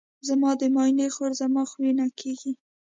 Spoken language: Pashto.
زما د ماینې خور زما خوښینه کیږي.